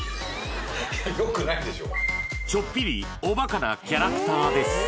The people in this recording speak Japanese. ちょっぴりおバカなキャラクターです